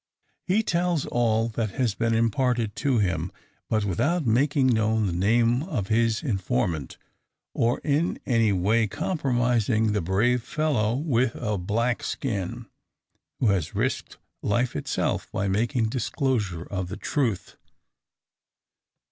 He tells all that has been imparted to him; but without making known the name of his informant, or in any way compromising the brave fellow with a black skin, who has risked life itself by making disclosure of the truth.